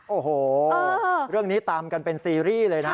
โอ้โหเรื่องนี้ตามกันเป็นซีรีส์เลยนะ